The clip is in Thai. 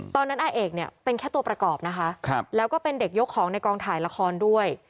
อาเอกเนี่ยเป็นแค่ตัวประกอบนะคะแล้วก็เป็นเด็กยกของในกองถ่ายละครด้วย